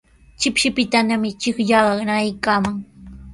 Shipshipitanami chiqllaaqa nanaykaaman.